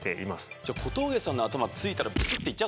じゃあ小峠さんの頭突いたらブスッていっちゃうかも。